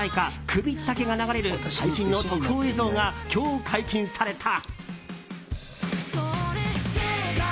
「くびったけ」が流れる最新の特報映像が今日解禁された。